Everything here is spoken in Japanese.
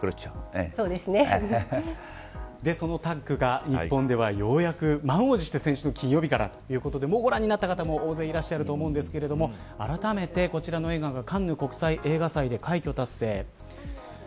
そのタッグが日本ではようやく満を持して先週の金曜日からということでもうご覧になった方も大勢いると思うんですけれどもあらためて、こちらの映画がカンヌ国際映画祭で快挙達成。